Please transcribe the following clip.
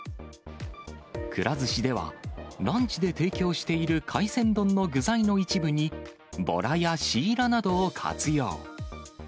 くら寿司では、ランチで提供している海鮮丼の具材の一部に、ボラやシイラなどを活用。